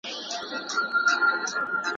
ذوالفقار خان يو پياوړی او زړور نظامي قوماندان و.